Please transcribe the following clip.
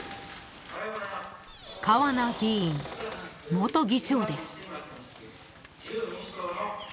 ［川名議員元議長です］